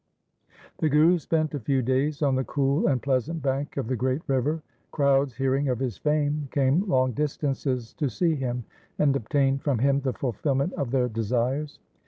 The Guru spent a few days on the cool and pleasant bank of the great river. Crowds hearing of his fame came long distances to see him, and obtain from LIFE OF GURU TEG BAHADUR 357 him the fulfilment of their desires.